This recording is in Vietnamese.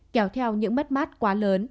kéo theo những mất mát quá lớn